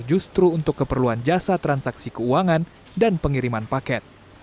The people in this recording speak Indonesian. justru untuk keperluan jasa transaksi keuangan dan pengiriman paket